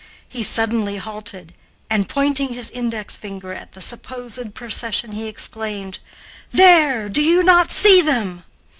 He suddenly halted, and, pointing his index finger at the supposed procession, he exclaimed: "There, do you not see them!"